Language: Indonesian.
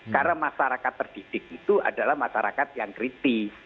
karena masyarakat terdidik itu adalah masyarakat yang kritis